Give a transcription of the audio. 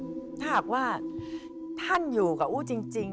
ถ้าหากว่าท่านอยู่กับอู้จริง